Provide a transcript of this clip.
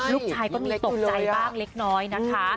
ลูกชายก็มีตกใจบ้างเล็กน้อยนะคะ